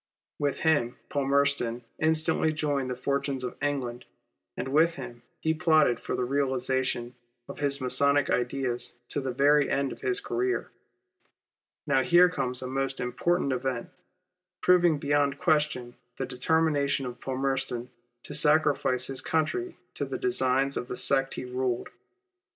With him Palmerston instantly joined the fortunes of England, and with him he plotted for the realization of his Masonic ideas to the very end of his career. Now here comes a most important event, proving beyond question the determination of Palmerston to sacrifice his country to the designs of the sect he ruled.